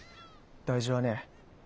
大事はねぇ。